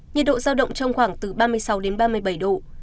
nhiệt độ giao động trong khoảng từ ba mươi sáu đến ba mươi bảy độ